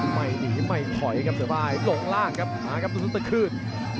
ไม่หนีไม่ขอยครับเสือบ้ายลงล่างครับหาลุงศัตรึงตะคืน